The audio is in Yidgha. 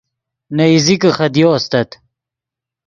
نے ایزیکے خدیو استت